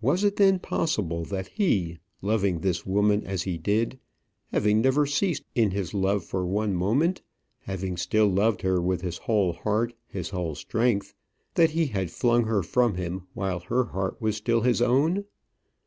Was it then possible that he, loving this woman as he did having never ceased in his love for one moment, having still loved her with his whole heart, his whole strength that he had flung her from him while her heart was still his own?